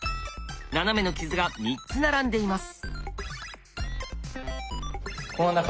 ナナメの傷が３つ並んでいます。